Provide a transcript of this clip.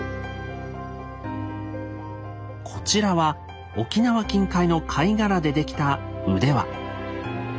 こちらは沖縄近海の貝殻で出来た腕輪。